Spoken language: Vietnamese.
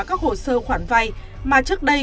các hồ sơ khoản vay mà trước đây